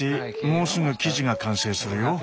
もうすぐ生地が完成するよ。